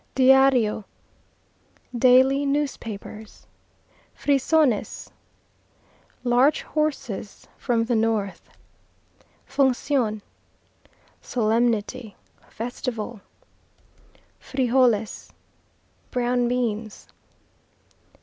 Díario Daily newspapers. Frisones Large horses from the north. Función Solemnity festival. Frijoles Brown beans.